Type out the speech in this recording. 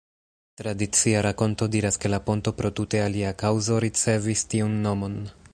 Tradicia rakonto diras ke la ponto pro tute alia kaŭzo ricevis tiun nomon.